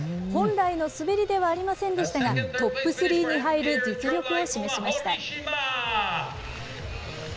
本来の滑りではありませんでしたが、トップスリーに入る実力を示しました。